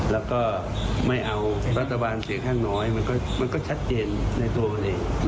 แล้วก็ไม่เอารัฐบาลเสียงข้างน้อยมันก็ชัดเจนในตัวมันเอง